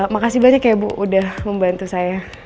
makasih banyak ya bu udah membantu saya